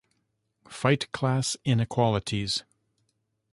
Fight class inequalities.